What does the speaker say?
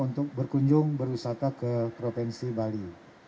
untuk berkunjung berwisata ke provinsi bali